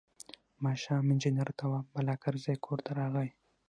ماښام انجنیر تواب بالاکرزی کور ته راغی.